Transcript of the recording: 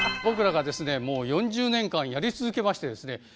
僕らがですねもう４０年間やり続けましてですね